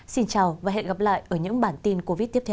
xin chào và hẹn gặp lại ở những bản tin covid tiếp theo